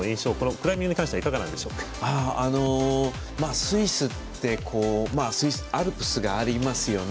クライミングに関してはスイスってアルプスがありますよね。